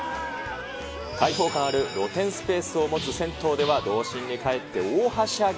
開放感ある露天スペースを持つ銭湯では童心に帰って大はしゃぎ。